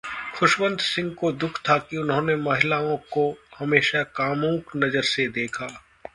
खुशवंत सिंह को दुख था कि उन्होंने महिलाओं को हमेशा कामुक नजर से देखा